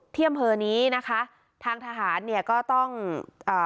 ที่อำเภอนี้นะคะทางทหารเนี่ยก็ต้องอ่า